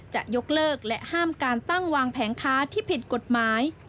จะยกเลิกและห้ามการตั้งวางแผงค้าที่ผิดกฎหมาย